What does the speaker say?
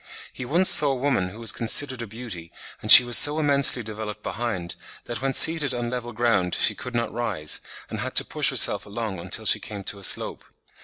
He once saw a woman who was considered a beauty, and she was so immensely developed behind, that when seated on level ground she could not rise, and had to push herself along until she came to a slope.